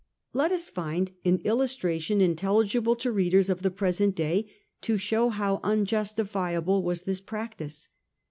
Let us find an illustration intelligible to readers of the present day to show how unjustifiable was this practice.